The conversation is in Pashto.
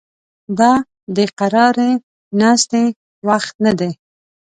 دا د قرارې ناستې وخت نه دی